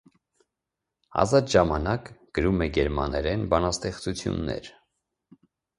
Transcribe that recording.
Ազատ ժամանակ գրում է գերմաներեն բանաստեղծություններ։